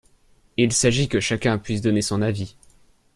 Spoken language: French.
Il s’agit que chacun puisse donner son avis.